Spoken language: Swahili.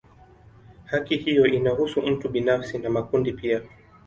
Haki hiyo inahusu mtu binafsi na makundi pia.